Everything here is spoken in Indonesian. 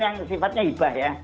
yang sifatnya hibah ya